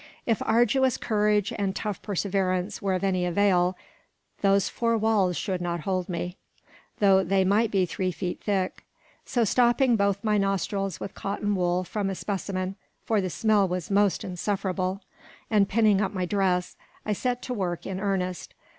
If arduous courage and tough perseverance were of any avail, those four walls should not hold me, though they might be three feet thick. So stopping both my nostrils with cotton wool from a specimen (for the smell was most insufferable), and pinning up my dress, I set to work in earnest.